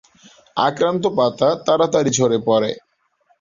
আক্রান্ত পাতা তাড়াতাড়ি ঝরে পড়ে।